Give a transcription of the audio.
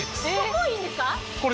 もういいんですか？